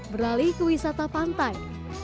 berlalu ke wisata pantai